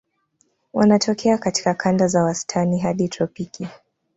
Wanatokea katika kanda za wastani hadi tropiki.